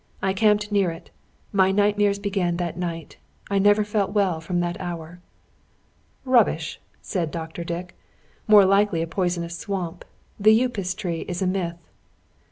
"I camped near it. My nightmares began that night. I never felt well, from that hour." "Rubbish!" said Dr. Dick. "More likely a poisonous swamp. The Upas tree is a myth."